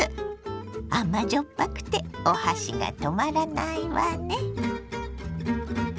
甘じょっぱくてお箸が止まらないわね。